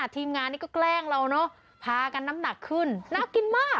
ทีมงานนี่ก็แกล้งเราเนอะพากันน้ำหนักขึ้นน่ากินมาก